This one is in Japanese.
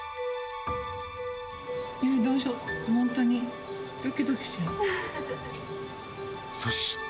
やあ、どうしよう、本当に、そして。